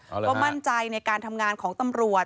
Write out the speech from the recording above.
ก็มั่นใจในการทำงานของตำรวจ